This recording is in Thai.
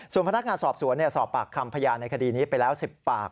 ส่วนพนักงานสอบสวนสอบปากคำพยานในคดีนี้ไปแล้ว๑๐ปาก